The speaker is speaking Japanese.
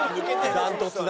断トツだ。